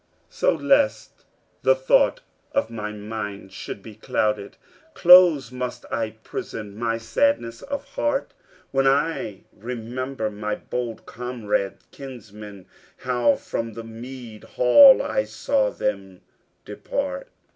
So, lest the thought of my mind should be clouded, Close must I prison my sadness of heart, When I remember my bold comrade kinsmen, How from the mede hall I saw them depart.